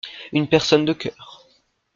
Une personne de cœur.